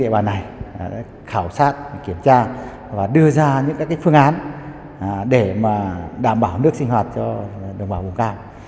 để bà này khảo sát kiểm tra và đưa ra những phương án để đảm bảo nước sinh hoạt cho đồng bào mù cang